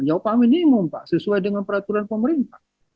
ya upah minimum pak sesuai dengan peraturan pemerintah